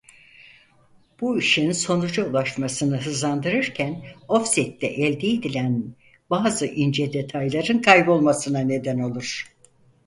Bu işin sonuca ulaşmasını hızlandırırken Ofsette elde edilen bazı ince detayların kaybolmasına neden olur.